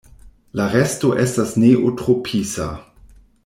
La resto estas neotropisa.